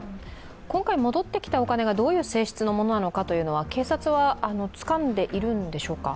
今回戻ってきたお金がどういう性質のものなのかというのは、警察はつかんでいるんでしょうか？